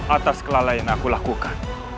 atas kelalaian yang aku lakukan